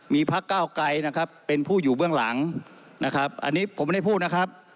มีพักเก้าไกรนะครับเป็นผู้อยู่เบื้องหลังนะครับอันนี้ผมไม่ได้พูดนะครับ